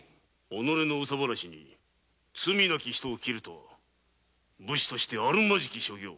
おのれの憂さ晴らしに罪なき人を斬るとは武士としてあるまじき所業。